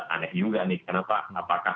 aneh juga nih kenapa apakah